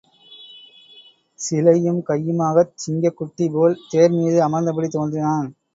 சிலையும் கையுமாகச் சிங்கக் குட்டி போல் தேர் மீது அமர்ந்தபடி தோன்றினான்.